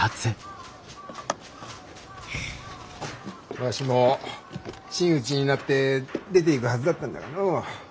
わしも真打になって出ていくはずだったんだがのう。